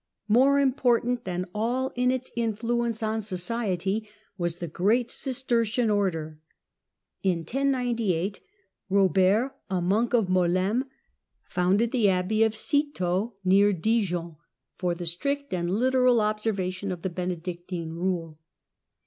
More important than all in its influence on society was the The great Cistercian Order. In 1098 Robert, a monk of Order ^ Molemc, founded the abbey of Citeaux near Dijon, for the strict and literal observance of the Benedictine rule.